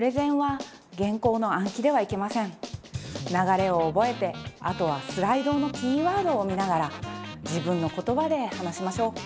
流れを覚えてあとはスライドのキーワードを見ながら自分の言葉で話しましょう。